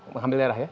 mengambil darah ya